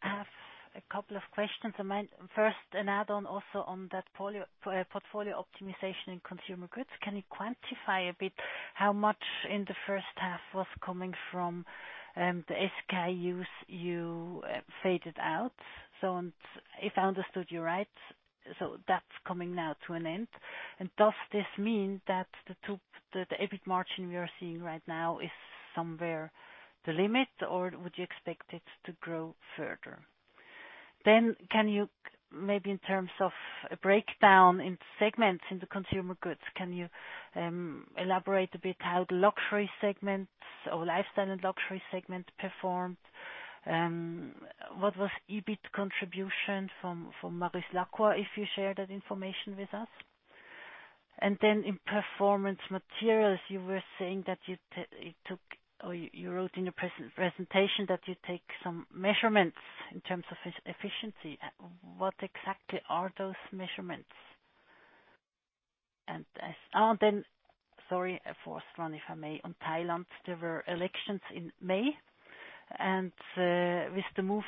I have a couple of questions in mind. An add-on also on that portfolio optimization in Consumer Goods. Can you quantify a bit how much in the first half was coming from the SKUs you faded out? If I understood you right, that's coming now to an end. Does this mean that the EBIT margin we are seeing right now is somewhere the limit, or would you expect it to grow further? Can you maybe in terms of a breakdown in segments in the Consumer Goods, can you elaborate a bit how the Luxury segments or Lifestyle and Luxury segment performed? What was EBIT contribution from Maurice Lacroix, if you share that information with us? in Performance Materials, you were saying that you it took, or you wrote in your presentation, that you take some measurements in terms of efficiency. What exactly are those measurements? Sorry, fourth one, if I may. On Thailand, there were elections in May, with the Move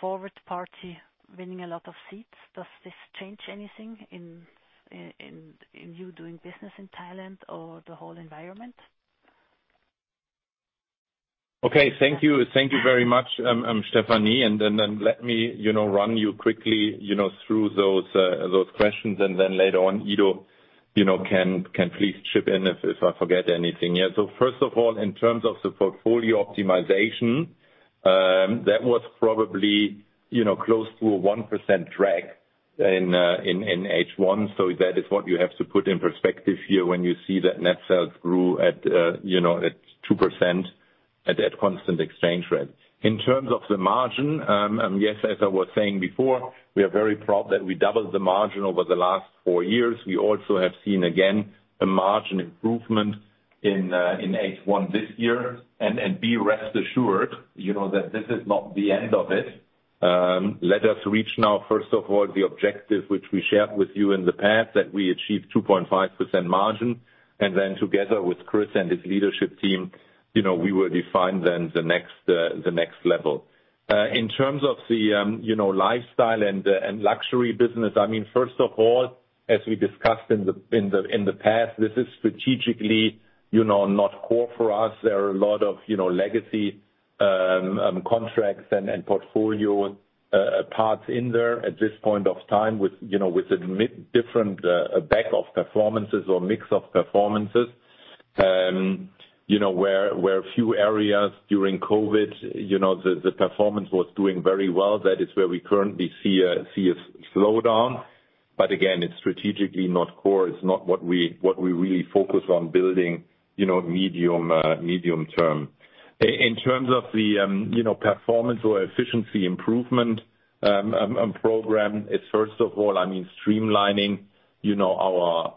Forward Party winning a lot of seats, does this change anything in you doing business in Thailand or the whole environment? Okay. Thank you. Thank you very much, Stephanie. Then let me, you know, run you quickly, you know, through those questions, and then later on, Ido, you know, can please chip in if I forget anything. Yeah. First of all, in terms of the portfolio optimization, that was probably, you know, close to a 1% drag in H1. That is what you have to put in perspective here when you see that net sales grew at, you know, at 2% at constant exchange rate. In terms of the margin, yes, as I was saying before, we are very proud that we doubled the margin over the last four years. We also have seen, again, a margin improvement in H1 this year. Be rest assured, you know, that this is not the end of it. Let us reach now, first of all, the objective which we shared with you in the past, that we achieve 2.5% margin, and then together with Chris Ritchie and his leadership team, you know, we will define then the next, the next level. In terms of the, you know, lifestyle and the Luxury business, I mean, first of all, as we discussed in the past, this is strategically, you know, not core for us. There are a lot of, you know, legacy contracts and portfolio parts in there at this point of time, with, you know, with a mid different bag of performances or mix of performances. you know, where few areas during COVID, you know, the performance was doing very well, that is where we currently see a slowdown. Again, it's strategically not core. It's not what we really focus on building, you know, medium-term. In terms of the, you know, performance or efficiency improvement program, it's first of all, I mean, streamlining, you know,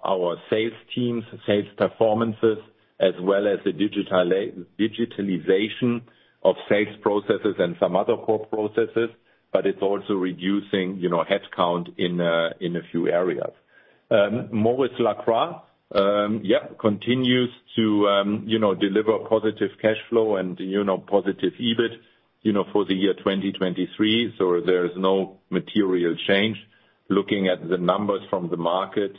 our sales teams, sales performances, as well as the digitalization of sales processes and some other core processes, but it's also reducing, you know, headcount in a few areas. Maurice Lacroix, yep, continues to, you know, deliver positive cash flow and, you know, positive EBIT, you know, for the year 2023, so there is no material change. Looking at the numbers from the market,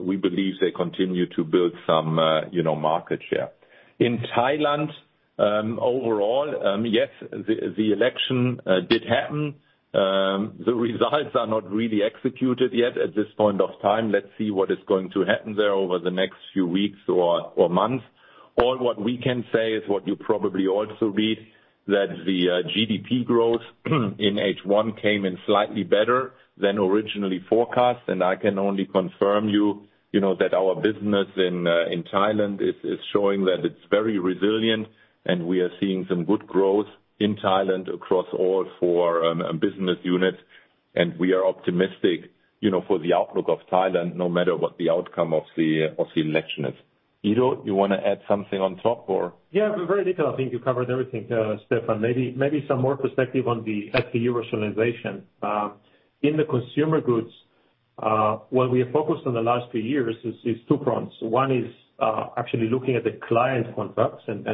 we believe they continue to build some, you know, market share. In Thailand, overall, yes, the election did happen. The results are not really executed yet at this point of time. Let's see what is going to happen there over the next few weeks or months. All what we can say is what you probably also read, that the GDP growth in H1 came in slightly better than originally forecast. I can only confirm you know, that our business in Thailand is showing that it's very resilient, and we are seeing some good growth in Thailand across all four business units. We are optimistic, you know, for the outlook of Thailand, no matter what the outcome of the election is. Ido, you want to add something on top or? Yeah, very little. I think you covered everything, Stefan. Maybe some more perspective on the SKU rationalization. In the Consumer Goods, what we have focused on the last few years is two prongs. One is actually looking at the client contracts and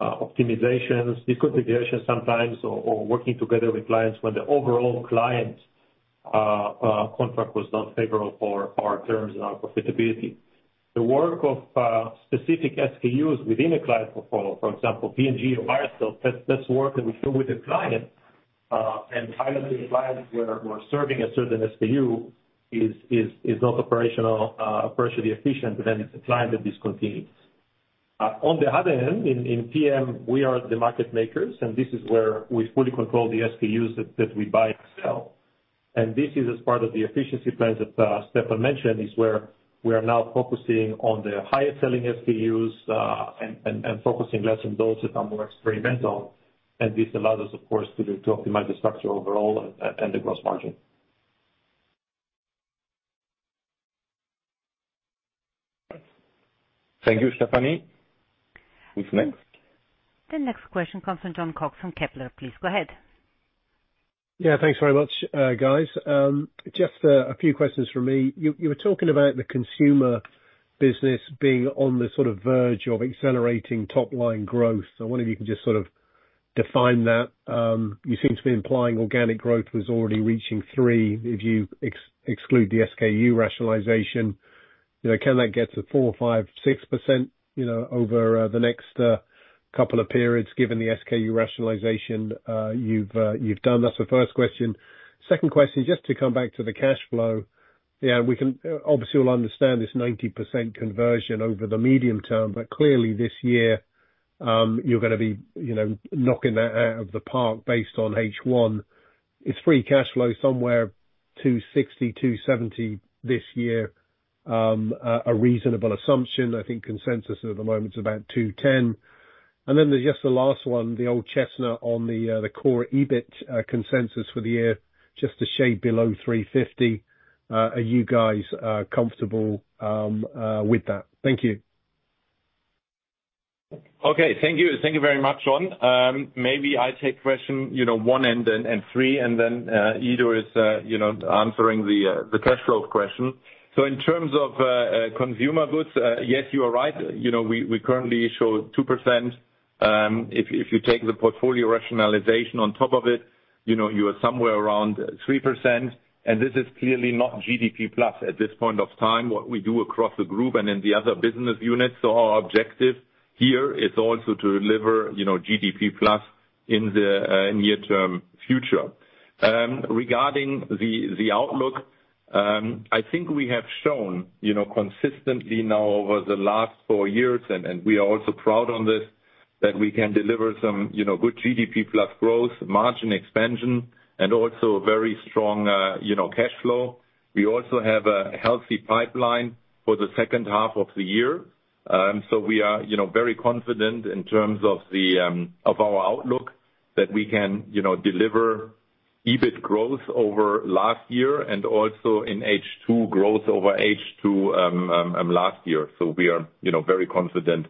optimizations, deconfiguration sometimes, or working together with clients when the overall client contract was not favorable for our terms and our profitability. The work of specific SKUs within a client portfolio, for example, P&G or Mars, Incorporated, that's work that we do with the client and highlight the clients who are serving a certain SKU is not operational or partially efficient, but then it's a client that discontinues. On the other end, in PM, we are the market makers. This is where we fully control the SKUs that we buy and sell. This is as part of the efficiency plans that Stefan mentioned, is where we are now focusing on the higher selling SKUs and focusing less on those that are more experimental. This allows us, of course, to optimize the structure overall and the gross margin. Thank you, Stephanie. Who's next? The next question comes from Jon Cox from Kepler. Please go ahead. Thanks very much, guys. A few questions from me. You were talking about the Consumer business being on the sort of verge of accelerating top-line growth. I wonder if you can just sort of define that. You seem to be implying organic growth was already reaching 3%, if you exclude the SKU rationalization. You know, can that get to 4%, 5%, 6%, you know, over the next couple of periods, given the SKU rationalization you've done? That's the first question. Second question, just to come back to the cash flow. Obviously, we all understand this 90% conversion over the medium-term, but clearly this year, you're gonna be, you know, knocking that out of the park based on H1. Is free cash flow somewhere 260 million-270 million this year, a reasonable assumption? I think consensus at the moment is about 210 million. There's just the last one, the old chestnut on the core EBIT consensus for the year, just a shade below 350 million. Are you guys comfortable with that? Thank you. Okay. Thank you. Thank you very much, Jon. Maybe I take question, you know, one and then, and three, and then, Ido is, you know, answering the cash flow question. In terms of Consumer Goods, yes, you are right. You know, we currently show 2%. If you take the portfolio rationalization on top of it, you know, you are somewhere around 3%, and this is clearly not GDP plus at this point of time, what we do across the group and in the other business units. Our objective here is also to deliver, you know, GDP plus in the near-term future. Regarding the outlook, I think we have shown, you know, consistently now over the last four years, and we are also proud on this, that we can deliver some, you know, good GDP plus growth, margin expansion, and also very strong cash flow. We also have a healthy pipeline for the second half of the year. We are, you know, very confident in terms of the of our outlook, that we can, you know, deliver EBIT growth over last year and also in H2, growth over H2 last year. We are, you know, very confident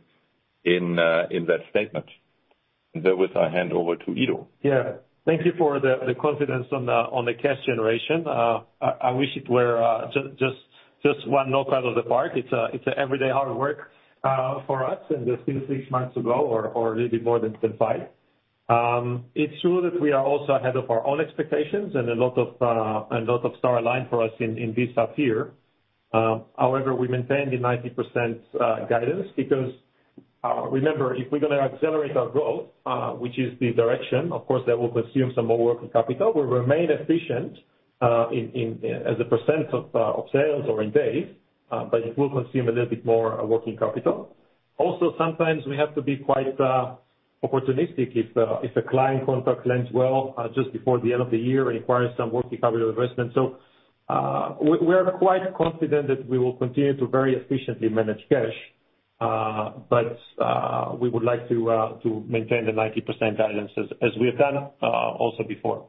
in that statement. Therewith I hand over to Ido. Yeah. Thank you for the confidence on the cash generation. I wish it were just one knockout of the park. It's a everyday hard work for us, and there's still six months to go, or a little bit more than five. It's true that we are also ahead of our own expectations and a lot of star align for us in this up here. However, we maintained the 90% guidance because remember, if we're gonna accelerate our growth, which is the direction, of course, that will consume some more working capital. We'll remain efficient in as a percent of sales or in days, but it will consume a little bit more working capital. Also, sometimes we have to be quite opportunistic if a client contract lends well just before the end of the year, requires some working capital investment. We are quite confident that we will continue to very efficiently manage cash, but we would like to maintain the 90% guidance as we have done also before.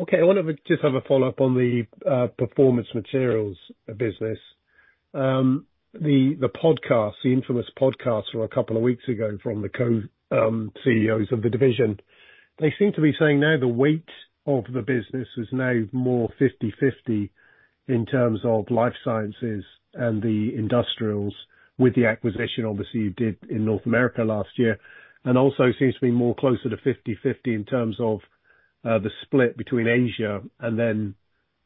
Okay. I wonder if we just have a follow-up on the Performance Materials business. The podcast, the infamous podcast from a couple of weeks ago from the CEOs of the division, they seem to be saying now the weight of the business is now more 50/50 in terms of life sciences and the industrials, with the acquisition, obviously, you did in North America last year, and also seems to be more closer to 50/50 in terms of the split between Asia and then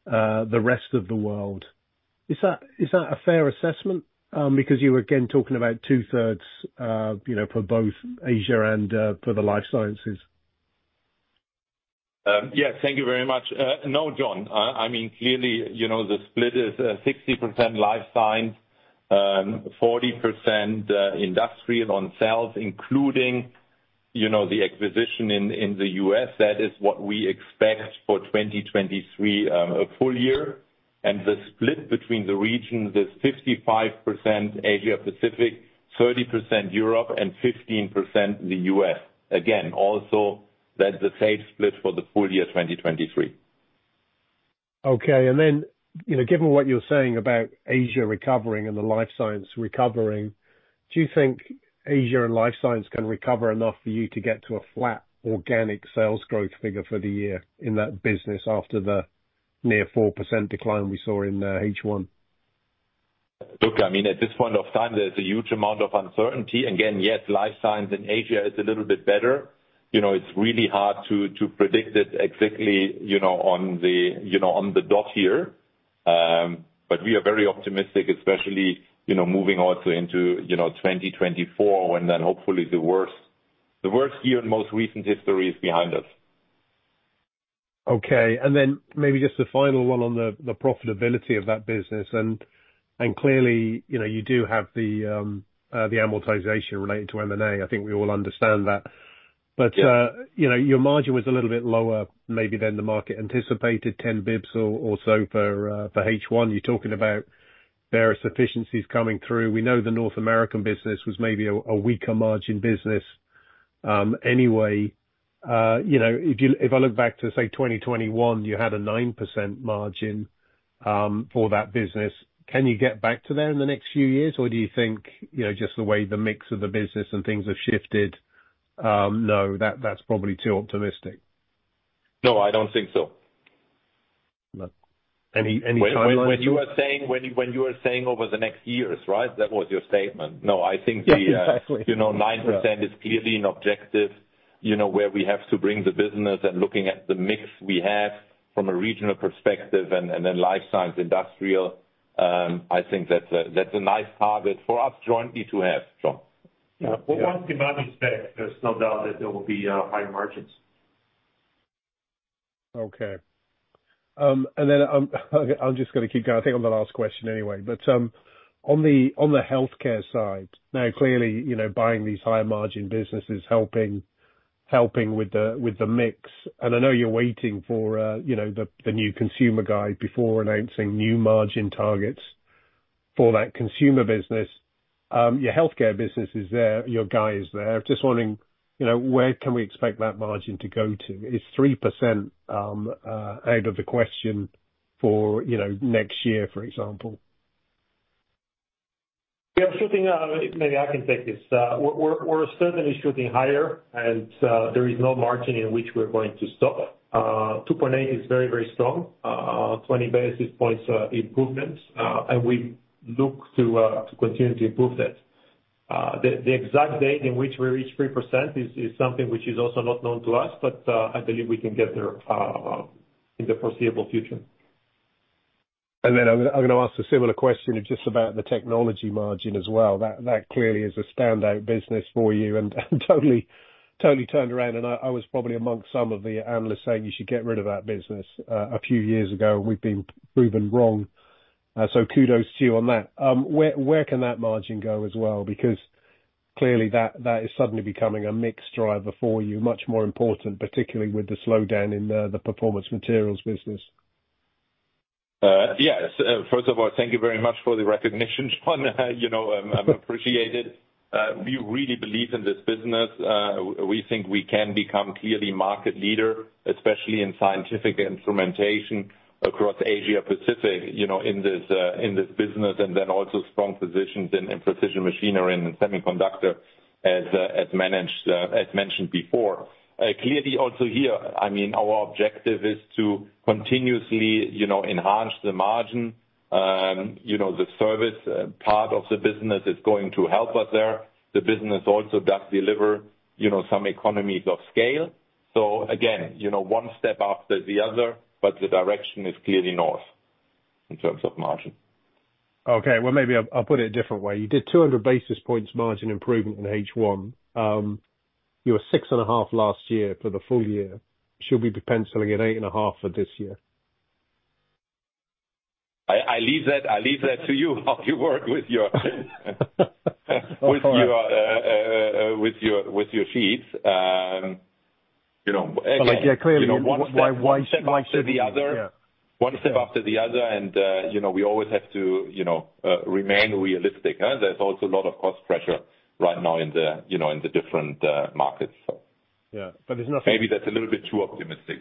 the rest of the world. Is that a fair assessment? Because you were again talking about 2/3, you know, for both Asia and for the life sciences. Yes, thank you very much. No, Jon, I mean, clearly, you know, the split is 60% life science, 40% industrial on sales, including, you know, the acquisition in the U.S. That is what we expect for 2023 full-year. The split between the regions is 55% Asia Pacific, 30% Europe, and 15% the U.S. Again, also, that's the same split for the full-year 2023. Okay. Then, you know, given what you're saying about Asia recovering and the life science recovering, do you think Asia and life science can recover enough for you to get to a flat organic sales growth figure for the year in that business after the near 4% decline we saw in H1? Look, I mean, at this point of time, there's a huge amount of uncertainty. Again, yes, life science in Asia is a little bit better. You know, it's really hard to predict it exactly, you know, on the dot here. We are very optimistic, especially, you know, moving also into, you know, 2024, when then hopefully the worst year in most recent history is behind us. Okay. Then maybe just a final one on the profitability of that business. Clearly, you know, you do have the amortization related to M&A. I think we all understand that. Yeah. You know, your margin was a little bit lower maybe than the market anticipated, 10 bps or so for H1. You're talking about various efficiencies coming through. We know the North American business was maybe a weaker margin business anyway. You know, if you, if I look back to, say, 2021, you had a 9% margin for that business, can you get back to there in the next few years? Do you think, you know, just the way the mix of the business and things have shifted, no, that's probably too optimistic. No, I don't think so. Any, any timeline? When you were saying, when you were saying over the next years, right? That was your statement. No, I think the, Yes, exactly. you know, 9% is clearly an objective, you know, where we have to bring the business and looking at the mix we have from a regional perspective and then life science, industrial, I think that's a, that's a nice target for us jointly to have, Jon. Well, once the economy is better, there's no doubt that there will be higher margins. Okay. Then, I'm just gonna keep going. I think I'm the last question anyway, but, on the, on the Healthcare side, now, clearly, you know, buying these higher margin business is helping with the, with the mix. I know you're waiting for, you know, the new consumer guide before announcing new margin targets for that Consumer business. Your Healthcare business is there, your guy is there. Just wondering, you know, where can we expect that margin to go to? Is 3% out of the question for, you know, next year, for example? Yeah, shooting. Maybe I can take this. We're certainly shooting higher, and there is no margin in which we're going to stop. 2.8% is very, very strong, 20 basis points improvement, and we look to continue to improve that. The exact date in which we reach 3% is something which is also not known to us, but I believe we can get there in the foreseeable future. I'm going to ask a similar question, just about the Technology margin as well. That clearly is a standout business for you and totally turned around, and I was probably amongst some of the analysts saying, "You should get rid of that business," a few years ago, and we've been proven wrong. Kudos to you on that. Where can that margin go as well? Clearly that is suddenly becoming a mixed driver for you, much more important, particularly with the slowdown in the Performance Materials business. Yes. First of all, thank you very much for the recognition, Jon. You know, I appreciate it. We really believe in this business. We think we can become clearly market leader, especially in scientific instrumentation across Asia Pacific, you know, in this business, and then also strong positions in precision machinery and semiconductor, as mentioned before. Clearly, also here, I mean, our objective is to continuously, you know, enhance the margin. You know, the service part of the business is going to help us there. The business also does deliver, you know, some economies of scale. Again, you know, one step after the other, but the direction is clearly north in terms of margin. Okay, well, maybe I'll put it a different way. You did 200 basis points margin improvement in H1. You were 6.5% last year for the full-year. Should we be penciling at 8.5% for this year? I leave that to you, how you work With your, with your, with your sheets. you know. yeah, clearly, why? One step after the other. Yeah. One step after the other, you know, we always have to, you know, remain realistic, huh? There's also a lot of cost pressure right now in the, you know, in the different markets. Yeah. There's nothing- Maybe that's a little bit too optimistic.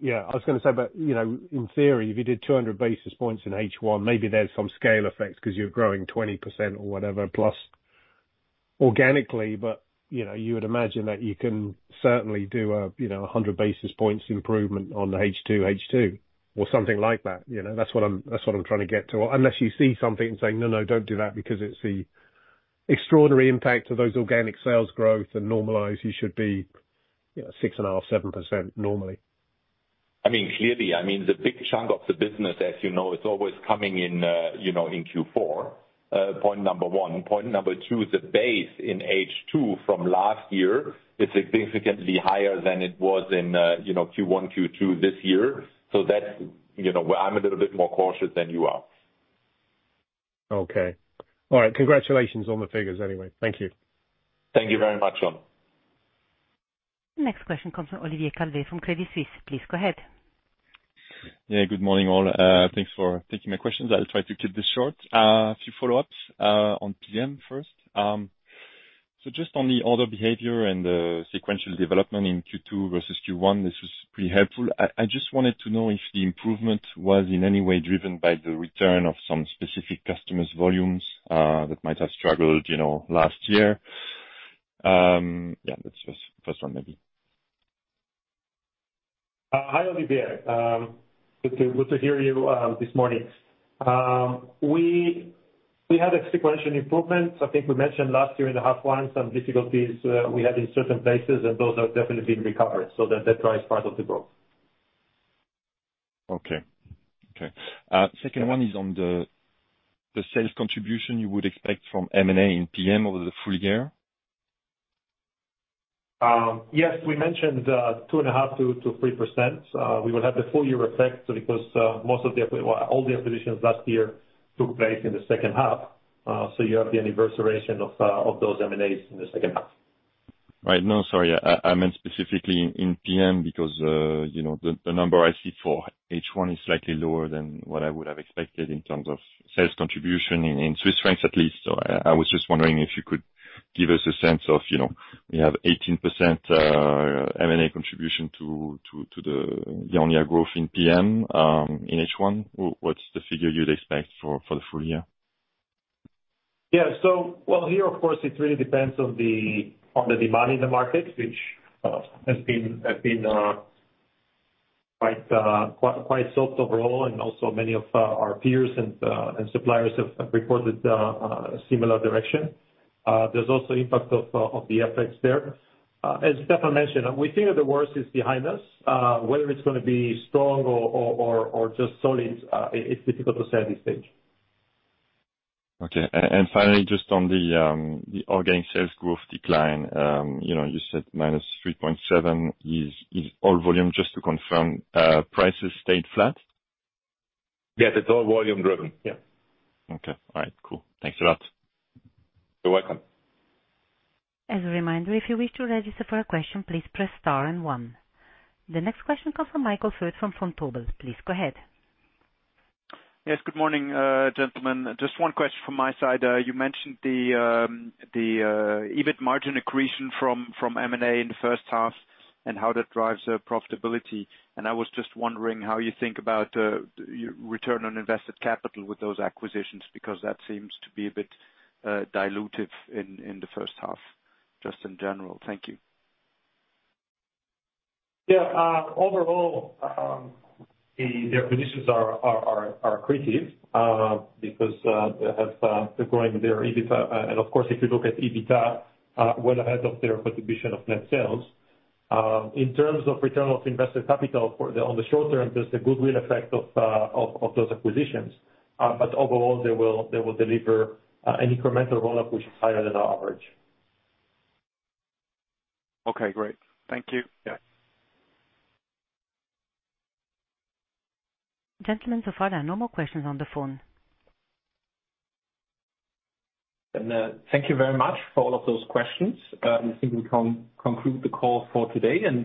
Yeah. I was gonna say, you know, in theory, if you did 200 basis points in H1, maybe there's some scale effects because you're growing 20% or whatever, plus organically, you know, you would imagine that you can certainly do a, you know, 100 basis points improvement on the H2 or something like that. You know, that's what I'm, that's what I'm trying to get to. Unless you see something and say, "No, no, don't do that," because it's the extraordinary impact of those organic sales growth and normalized, you should be, you know, 6.5%, 7%, normally. I mean, clearly, I mean, the big chunk of the business, as you know, is always coming in, you know, in Q4, point number one. Point number two, the base in H2 from last year is significantly higher than it was in, you know, Q1, Q2 this year. That's, you know, where I'm a little bit more cautious than you are. Okay. All right. Congratulations on the figures, anyway. Thank you. Thank you very much, Jon. Next question comes from Olivier Calvet from Credit Suisse. Please go ahead. Yeah, good morning, all. Thanks for taking my questions. I'll try to keep this short. A few follow-ups. On PM first. So just on the order behavior and the sequential development in Q2 versus Q1, this is pretty helpful. I just wanted to know if the improvement was in any way driven by the return of some specific customers' volumes that might have struggled, you know, last year. Yeah, that's the first one, maybe. Hi, Olivier, good to hear you, this morning. We had a sequential improvement. I think we mentioned last year in the half one, some difficulties, we had in certain places. Those have definitely been recovered, so that drives part of the growth. Okay. Okay. second one is on the sales contribution you would expect from M&A and PM over the full-year. Yes, we mentioned 2.5%-3%. We will have the full-year effect because most of the acquisitions last year took place in the second half. You have the anniversary of those M&As in the second half. Right. No, sorry, I meant specifically in PM, because, you know, the number I see for H1 is slightly lower than what I would have expected in terms of sales contribution in Swiss francs at least. I was just wondering if you could give us a sense of, you know, we have 18% M&A contribution to the year-on-year growth in PM, in H1. What's the figure you'd expect for the full-year? Well, here, of course, it really depends on the demand in the market, which has been quite soft overall. Also, many of our peers and suppliers have reported a similar direction. There's also impact of the FX there. As Stefan mentioned, we think that the worst is behind us. Whether it's gonna be strong or just solid, it's difficult to say at this stage. Okay. Finally, just on the organic sales growth decline, you know, you said -3.7% is all volume, just to confirm, prices stayed flat? Yes, it's all volume driven. Yeah. Okay. All right, cool. Thanks a lot. You're welcome. As a reminder, if you wish to register for a question, please press Star and one. The next question comes from Michael Foeth from Vontobel. Please go ahead. Yes, good morning, gentlemen. Just one question from my side. You mentioned the EBIT margin accretion from M&A in the first half, and how that drives the profitability. I was just wondering how you think about return on invested capital with those acquisitions, because that seems to be a bit dilutive in the first half, just in general. Thank you. Yeah, overall, the acquisitions are accretive because they have they're growing their EBIT, and of course, if you look at EBITA well ahead of their contribution of net sales. In terms of return on invested capital, on the short-term, there's a goodwill effect of those acquisitions. Overall, they will deliver an incremental rollout which is higher than our average. Okay, great. Thank you. Yeah. Gentlemen, so far, there are no more questions on the phone. Thank you very much for all of those questions. I think we conclude the call for today, and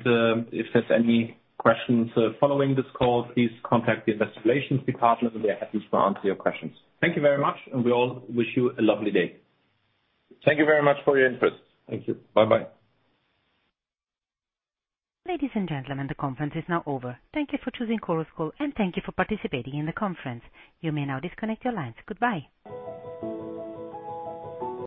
if there's any questions following this call, please contact the Investor Relations department, and we'll be happy to answer your questions. Thank you very much, and we all wish you a lovely day. Thank you very much for your interest. Thank you. Bye-bye. Ladies and gentlemen, the conference is now over. Thank you for choosing Chorus Call. Thank you for participating in the conference. You may now disconnect your lines. Goodbye.